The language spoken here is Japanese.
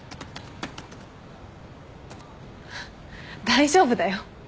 大丈夫だよ。